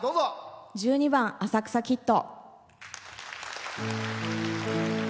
１２番「浅草キッド」。